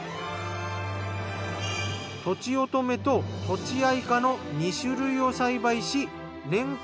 とちおとめととちあいかの２種類を栽培し年間